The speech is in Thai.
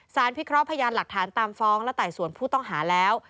พิเคราะห์พยานหลักฐานตามฟ้องและไต่สวนผู้ต้องหาแล้ว